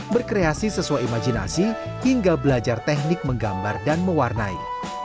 berkreasi sesuai imajinasi hingga belajar teknik menggambar dan mewarnai